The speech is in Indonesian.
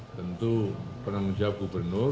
tentu penanggung jawab gubernur